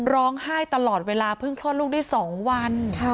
ร้องไห้ตลอดเวลาเพิ่งคลอดลูกได้๒วัน